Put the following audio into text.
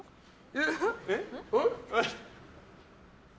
えっ？